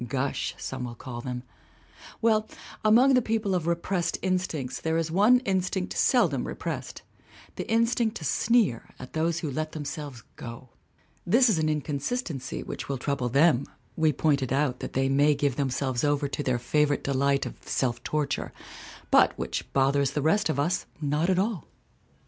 Gush, some will call them. Well, among the people of repressed instincts there 246 GRACE S. RICHMOND 247 is one instinct seldom repressed the instinct to sneer at those who let themselves go. This is an inconsistency which will trouble them (we point it out that they may give themselves over to their favorite delight of self torture) but which bothers the rest of us not at all.